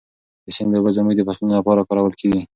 د سیند اوبه زموږ د فصلونو لپاره کارول کېږي.